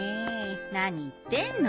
何言ってんの。